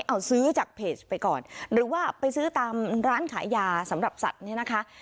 เอาซื้อจากเพจไปก่อนหรือว่าไปซื้อตามร้านขายยาสำหรับสัตว์เนี่ยนะคะ